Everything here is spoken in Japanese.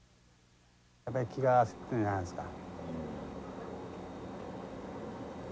やっぱり気が焦ってたんじゃないですか？